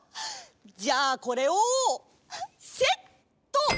じゃあこれをセット！